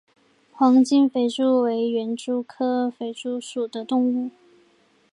黄金肥蛛为园蛛科肥蛛属的动物。